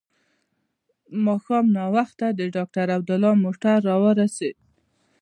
ماښام ناوخته د ډاکټر عبدالله موټر راورسېد.